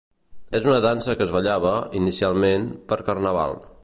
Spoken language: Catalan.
És una dansa que es ballava, inicialment, per Carnaval.